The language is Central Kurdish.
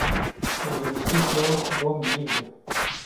تەندروستی تۆ بۆم گرینگە